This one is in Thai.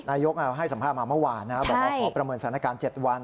นายกให้สัมภาษณ์มาเมื่อวานบอกว่าขอประเมินสถานการณ์๗วัน